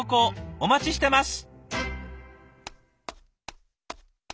お待ちしてます。